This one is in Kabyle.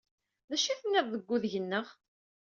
D acu ay tenniḍ deg udeg-nneɣ?